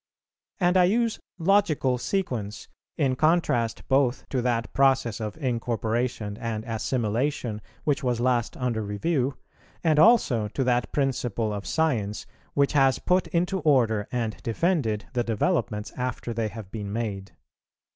And I use "logical sequence" in contrast both to that process of incorporation and assimilation which was last under review, and also to that principle of science, which has put into order and defended the developments after they have been made.